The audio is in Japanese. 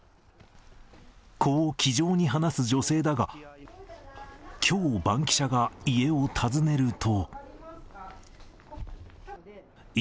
こう気丈に話す女性だが、きょう、バンキシャが家を訪ねると。